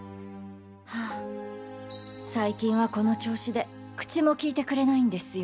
ハァ最近はこの調子で口もきいてくれないんですよ。